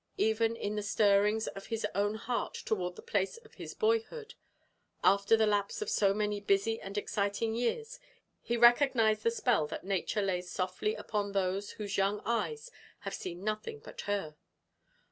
Even in the stirrings of his own heart toward the place of his boyhood, after the lapse of so many busy and exciting years, he recognized the spell that Nature lays softly upon those whose young eyes have seen nothing but her.